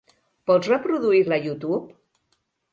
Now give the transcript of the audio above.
Pots reproduir-la a Youtube?